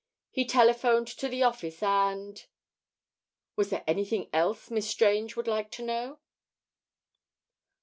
He telephoned to the office and Was there anything else Miss Strange would like to know?